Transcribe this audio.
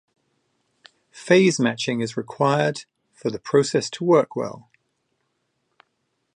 Phase matching is required for the process to work well.